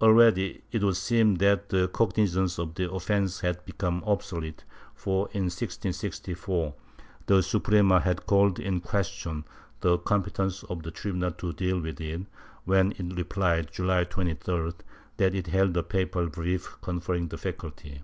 Already it would seem that the cognizance of the offence had become obsolete for, in 1664 the Suprema had called in question the competence of the tribunal to deal with it, when it replied, July 23d, that it held a papal brief conferring the faculty.